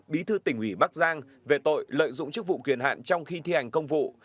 bí thư tỉnh ủy bắc giang về tội lợi dụng chức vụ quyền hạn trong khi thi hành công vụ